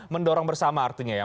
mendorong bersama artinya ya